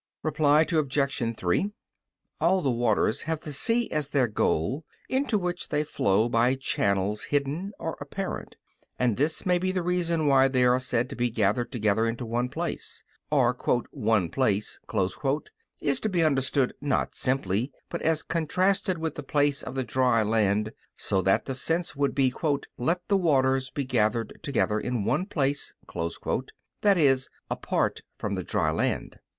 Reply Obj. 3: All the waters have the sea as their goal, into which they flow by channels hidden or apparent, and this may be the reason why they are said to be gathered together into one place. Or, "one place" is to be understood not simply, but as contrasted with the place of the dry land, so that the sense would be, "Let the waters be gathered together in one place," that is, apart from the dry land.